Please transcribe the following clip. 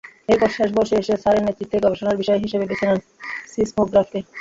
এরপর শেষ বর্ষে এসে স্যারের নেতৃত্বেই গবেষণার বিষয় হিসেবে বেছে নেন সিসমোগ্রাফকে।